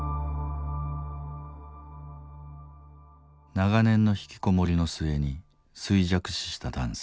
長年のひきこもりの末に衰弱死した男性。